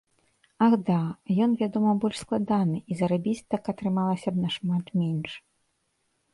Ах да, ён, вядома, больш складаны і зарабіць так атрымалася б нашмат менш.